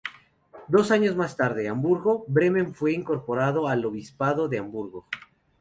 Dos años más tarde, Hamburgo, Bremen fue incorporado al obispado de Hamburgo.